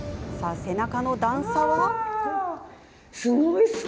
背中の段差は？